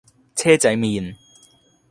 車仔麪